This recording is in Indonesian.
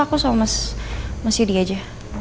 aku sama mas yudi aja